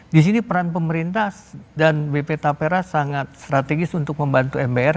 di sini peran pemerintah dan bp tapera sangat strategis untuk membantu mbr